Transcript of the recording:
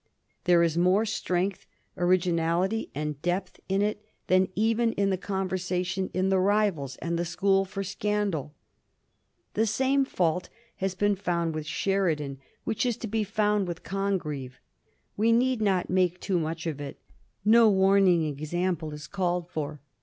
There is more strength, originality, and depth in it than even in the conversation in * The Rivals ' and * The School for Scandal/ The same fault has been found with Sheridan which is to be found with Con greve. We need not make too much of it. No warning example is called for.